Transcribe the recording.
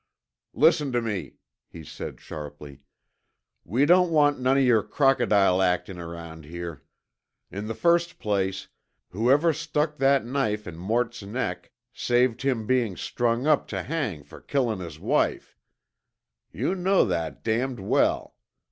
"Listen tuh me," he said sharply. "We don't want none of yer crocodile actin' around here. In the first place, whoever stuck that knife in Mort's neck saved him bein' strung up tuh hang fer killin' his wife. You know that damned well.